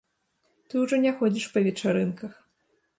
Ты ўжо не ходзіш па вечарынках.